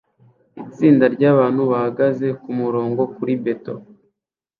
Itsinda ryabantu bahagaze kumurongo kuri beto